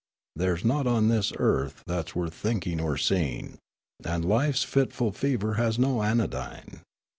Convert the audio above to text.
There 's nought on this earth that 's worth thinking or seeing, And life's fitful fever has no anodyne.